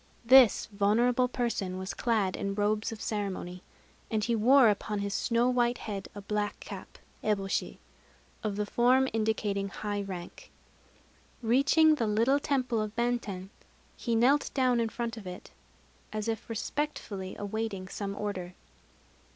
This venerable person was clad in robes of ceremony; and he wore upon his snow white head a black cap (eboshi) of the form indicating high rank. Reaching the little temple of Benten, he knelt down in front of it, as if respectfully awaiting some order.